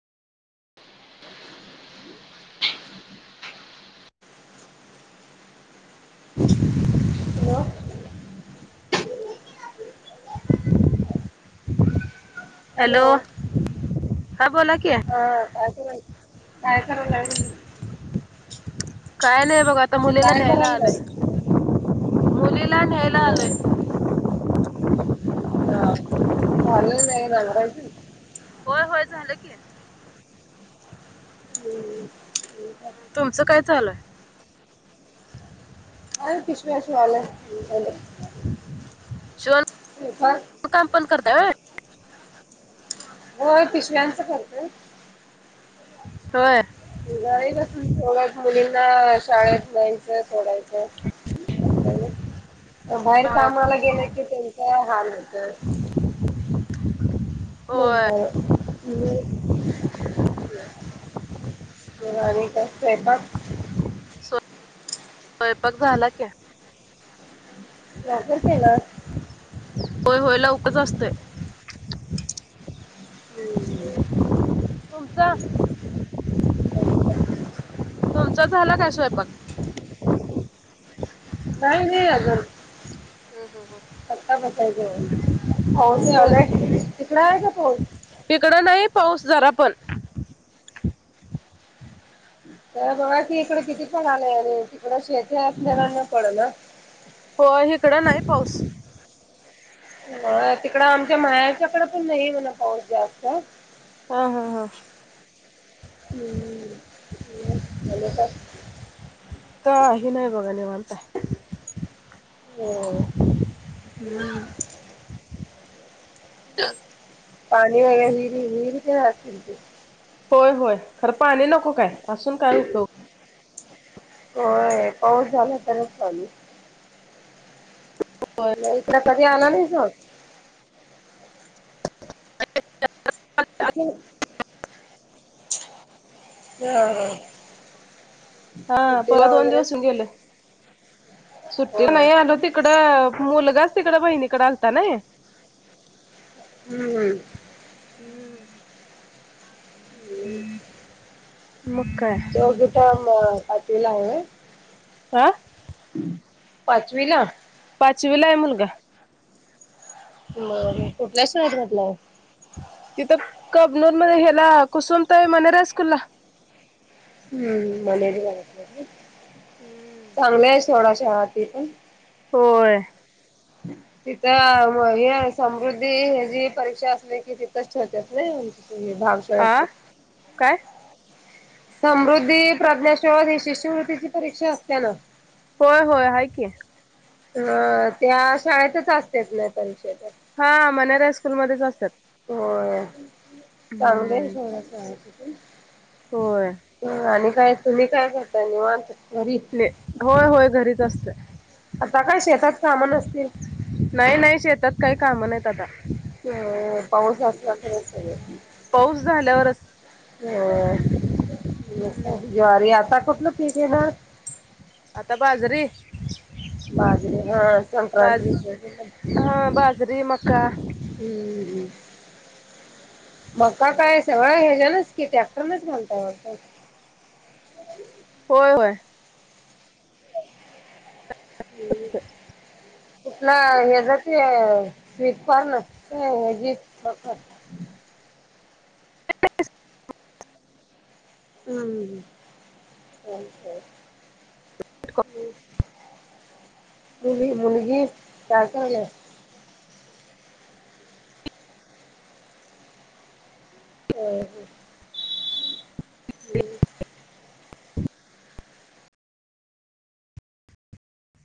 [inaudible] Hello? [unintelligible] Hello... हा बोला की हा काय करायला काय नाही बघा आता मुलीला काय न्यायला करायलाय आलोय. मुलीला न्यायला आलोय. हा झाले नाही नांगरयती होय होय झाले की, हम्म हम्म आणि काय हं, तुमचं काय चालू आहे? काही नाही. पिशव्या शिवालय.. शिवण.. काम पण करताय होय हो पिशव्यांचं करतंय होय नाही बसून थोड्या मुलींना शाळेत नाहीयचं थोडं बाहेर हा, कामाला गेल की त्यांचा हाल होतय [inaudible] [unintelligible] मग आणि काय स्वयंपाक स्वयंपाक झाला की लवकर केलास होय होय लवकरच असतोय हम्म, तुमचा आणि काय? तुमचा झाला काय स्वयंपाक? नाहीय नाही अजून हम हम हम पता [unintelligible] तिकड आहे काय पाऊस? इकडं नाही पाऊस जरा पण तर बघा ती इकडे किती पूर आले आणि तिकड शेती असलेलाना पड ना हो हीकडं नाही पाऊस तिकडं आमच्या माहेरच्याकडे पण नाही म्हण पाऊस जास्त. हा हा हा हम्म् मग आणि काय? काही नाही बघा निवांत हाय होय.. हम्. पाणी आहे हिरि हिरि असतय ते होय होय खरं पाणी नको काय असून काय उपयोग होय पाऊस झाला का नाय चालू. हो. नाही इकड कधी आला नाही सग. ह. ह. हा पवा दोन दिवस गेल सुट्टी होय नाही आलो ते तिकड मुलगाच तिकड बहिणीकड आल ता नाही. हम्म. मग काय? तर मग आजीला आहे. हा. पाचवी ला. पाचवीलाये मुलगा मग कुठल्या शाळेत घातल. तिथं कबनूर मध्ये हेला कुसुमताई मनेरा स् कुलला हम्म मलेरिया हम्म चांगले आहे थोडाशा हाती पण होय. ह्. तिथं म हे समृद्धी हि जी परीक्षा असली की तिथंच ठेवत्यात न. ह भाव आ सरायचे. काय? समृद्धी प्रज्ञाशोध ही शिष्यवृत्तीची परीक्षा असते ना. होय होय हाय की अ त्या शाळेतच असतेच नाही परीक्षाच्या हा मनेरा हाय स्कूलमध्येध्येच असतात. हो चांगले हम्म सगळच आहे तिथ. होय. आणि काय तुम्ही काय करताय निवांत घरी होय होय घरीच असते. आता काय शेतात कामां असतील. नाही नाही शेतात काही काम नाहीत आता ह पाऊणसासला खर. पाऊस झाल्यावरच ह जारी आता कुठलं पीक येणार. आता बाजरीे बाजरी हा बाज संक्रांतीच हा बाजरी मका हम्मम. मग का काय कयास होय ह्याचानचकि टॅक्टरनच म्हणताय. होय होय. होतय. कुठला ह ज क स्विप फार नसते ह जी हम्. मुली मुलगी काय काले. हो.